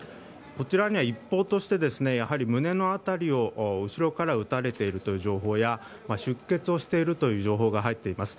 こちらには一報として胸の辺りを後ろから撃たれているという情報や出血をしているという情報が入っています。